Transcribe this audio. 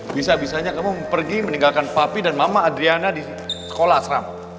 bisa bisanya kamu pergi meninggalkan papi dan mama adriana di sekolah asrama